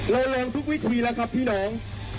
แรงทุกวิธีแล้วครับพี่น้อง